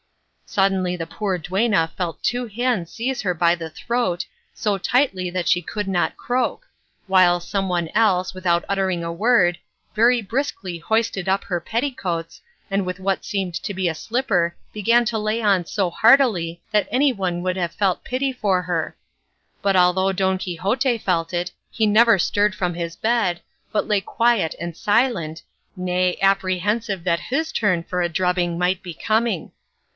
Suddenly the poor duenna felt two hands seize her by the throat, so tightly that she could not croak, while some one else, without uttering a word, very briskly hoisted up her petticoats, and with what seemed to be a slipper began to lay on so heartily that anyone would have felt pity for her; but although Don Quixote felt it he never stirred from his bed, but lay quiet and silent, nay apprehensive that his turn for a drubbing might be coming.